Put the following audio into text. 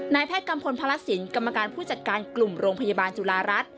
แพทย์กัมพลพระศิลป์กรรมการผู้จัดการกลุ่มโรงพยาบาลจุฬารัฐ